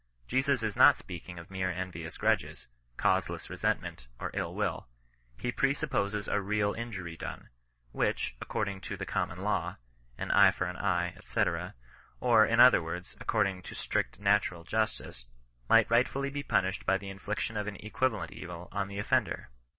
Jesus is not speaking of mere en yious grudges, causeless resentment, or iU will. lie pre supposes a real injiuT" done, which, according to the common law, " an eye for an eye," &c. or, in other words, according to strict Tuitural justice^ might rightfully be punished by the infliction of an equivalent evil on the offender.